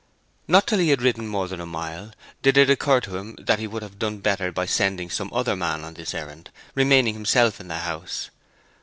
Not till he had ridden more than a mile did it occur to him that he would have done better by sending some other man on this errand, remaining himself in the house.